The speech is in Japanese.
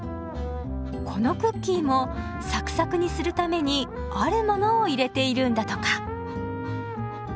このクッキーもサクサクにするためにあるモノを入れているんだとか。